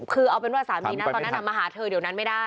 คือเอาเป็นว่าสามีนะตอนนั้นมาหาเธอเดี๋ยวนั้นไม่ได้